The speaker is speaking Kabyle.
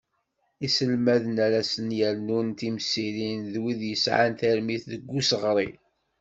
Iselmaden ara sen-yernun timsirin, d wid yesεan tarmit deg useɣṛi.